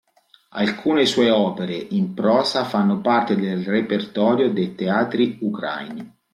Alcune sue opere in prosa fanno parte del repertorio dei teatri ucraini.